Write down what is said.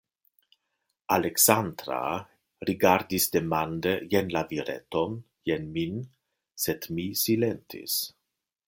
Aleksandra rigardis demande jen la vireton, jen min, sed mi silentis.